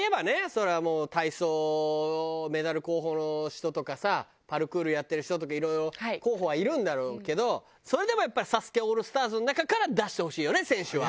そりゃもう体操メダル候補の人とかさパルクールやってる人とかいろいろ候補はいるんだろうけどそれでもやっぱりＳＡＳＵＫＥオールスターズの中から出してほしいよね選手は。